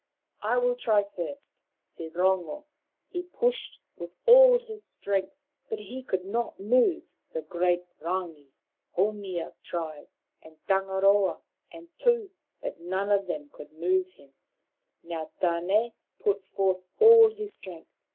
" I will try first," said Rongo. He pushed with all his strength, but he could not move the great Rangi. Haumia tried, and Tangaroa, and Tu, but none of them could move him. Now Tane put forth all his strength.